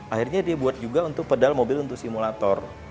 akhirnya dia buat juga untuk pedal mobil untuk simulator